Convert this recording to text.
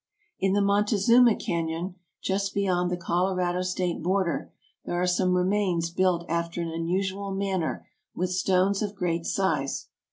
In the Montezuma Canon, just beyond the Colorado State border, there are some remains built after an unusual manner with stones of great size.